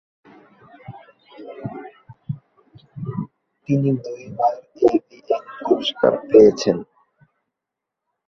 তিনি দুইবার এভিএন পুরস্কার পেয়েছেন।